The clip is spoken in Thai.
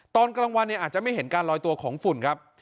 ตอนกลางวันเนี่ยอาจจะไม่เห็นการลอยตัวของฝุ่นครับ